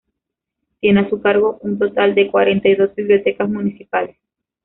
Tiene a su cargo un total de cuarenta y dos bibliotecas municipales.